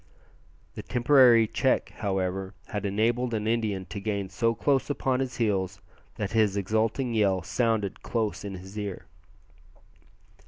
The temporary check, however, had enabled an Indian to gain so close upon his heels that his exulting yell sounded close in his ear.